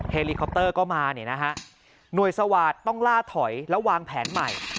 เฮลิคอปเตอร์ก็มาเนี่ยนะฮะหน่วยสวาสตร์ต้องล่าถอยแล้ววางแผนใหม่